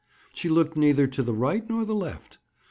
She looked neither to the right nor the left.